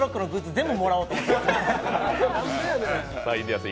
全部もらおうと思って。